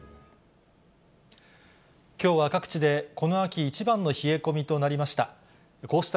きょうは各地でこの秋一番の冷え込みとなりました。